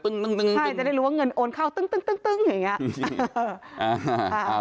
ใช่จะได้รู้ว่าเงินโอนเข้าตึ้งอย่างนี้